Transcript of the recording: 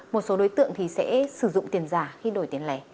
một số đối tượng thì sẽ sử dụng tiền giả khi đổi tiền lẻ